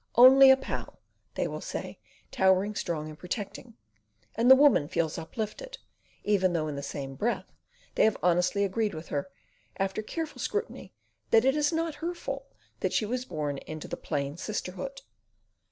"Only a pal," they will say, towering strong and protecting; and the woman feels uplifted, even though in the same breath they have honestly agreed with her, after careful scrutiny, that it is not her fault that she was born into the plain sisterhood.